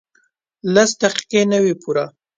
لس دقیقې نه وې پوره.